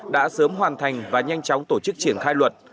đã sớm hoàn thành và nhanh chóng tổ chức triển khai luật